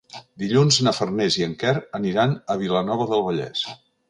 Dilluns na Farners i en Quer aniran a Vilanova del Vallès.